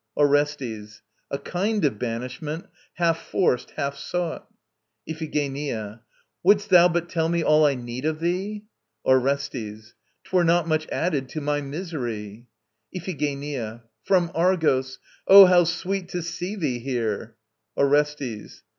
ORESTES. A kind of banishment, half forced, half sought. IPHIGENIA. Wouldst thou but tell me all I need of thee! ORESTES. 'Twere not much added to my misery. IPHIGENIA. From Argos! ... Oh, how sweet to see thee here! ORESTES.